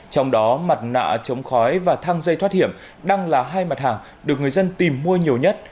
trong đó mặt nạ chống khói và thang dây thoát hiểm đang là hai mặt hàng được người dân tìm mua nhiều nhất